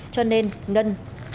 cho nên ngân